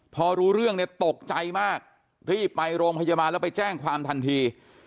พอรู้เรื่องเนี่ยตกใจมากรีบไปโรงพยาบาลแล้วไปแจ้งความทันที